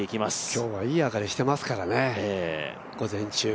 今日はいい上がりしてますからね、午前中。